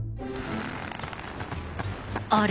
あれ？